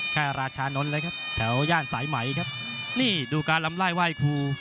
ค่าราชานนท์เลยครับแถวย่านสายไหมครับนี่ดูการลำไล่ไหว้ครู